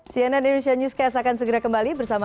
cnn indonesia newscast akan segera kembali bersama